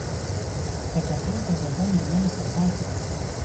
خټکی د بدن دننه صفا کوي.